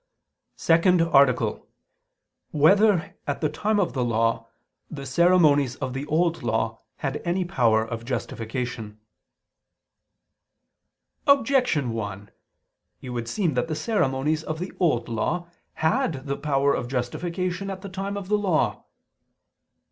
________________________ SECOND ARTICLE [I II, Q. 103, Art. 2] Whether, at the Time of the Law, the Ceremonies of the Old Law Had Any Power of Justification? Objection 1: It would seem that the ceremonies of the Old Law had the power of justification at the time of the Law.